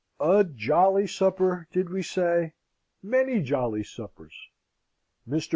A jolly supper, did we say? Many jolly suppers. Mr.